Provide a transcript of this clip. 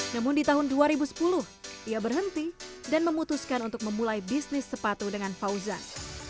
namun di tahun dua ribu sepuluh ia berhenti dan memutuskan untuk memulai bisnis sepatu dengan fauzan